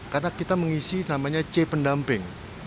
karena kita mengisi namanya c pendamping